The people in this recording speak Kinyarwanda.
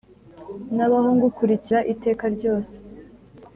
Nabaho ngukurikira iteka ryose